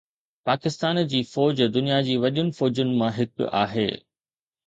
پاڪستان جي فوج دنيا جي وڏين فوجن مان هڪ آهي.